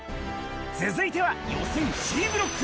続いては、予選Ｃブロック。